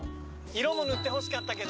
色も塗ってほしかったけど。